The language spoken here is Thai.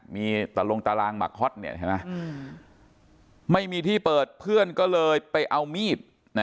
มีตาลงตารางหมักฮอตเห็นไหมไม่มีที่เปิดเพื่อนก็เลยไปเอามีด